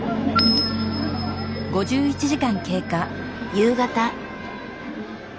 夕方。